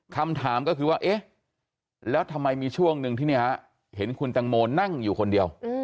คำถามก็คือว่าเอ๊ะแล้วทำไมมีช่วงหนึ่งที่เห็นคุณตังโมนั่งอยู่คนเดียว